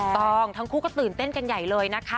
ถูกต้องทั้งคู่ก็ตื่นเต้นกันใหญ่เลยนะคะ